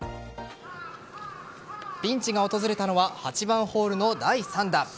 ピンチが訪れたのは８番ホールの第３打。